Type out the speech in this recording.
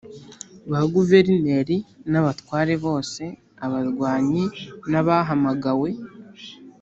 Ba guverineri ni abatware bose abarwanyi n’abahamagawe